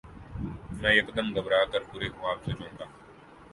امیں یکدم گھبرا کر برے خواب سے چونکا